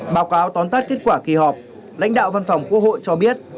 báo cáo tóm tắt kết quả kỳ họp lãnh đạo văn phòng quốc hội cho biết